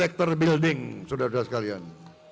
sector building saudara saudara sekalian